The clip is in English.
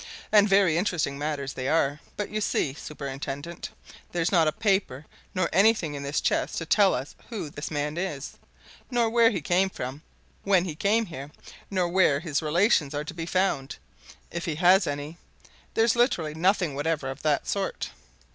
"And very interesting matters they are. But you see, superintendent? there's not a paper nor anything in this chest to tell us who this man is, nor where he came from when he came here, nor where his relations are to be found, if he has any. There's literally nothing whatever of that sort."